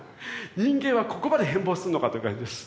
人間はここまで変貌するのかという感じです。